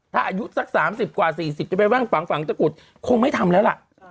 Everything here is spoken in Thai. ถ้าอายุสักสามสิบกว่าสี่สิบจะไปว่างฝั่งฝั่งตระกุฎคงไม่ทำแล้วล่ะ